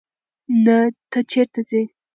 ته چیرته ځې.